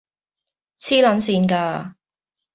痴撚線架！